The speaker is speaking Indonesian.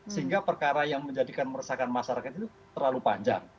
sehingga perkara yang menjadikan meresahkan masyarakat itu terlalu panjang